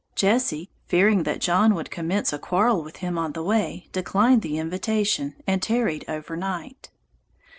Jesse, fearing that John would commence a quarrel with him on the way, declined the invitation, and tarried over night.